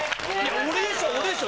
俺でしょ！